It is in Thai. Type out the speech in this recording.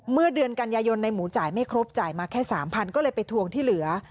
เมื่อเดือนกันยายนในหมูจ่ายไม่ครบจ่ายมาแค่๓๐๐ก็เลยไปทวงที่เหลือ